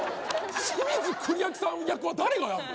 清水国明さん役は誰がやんの？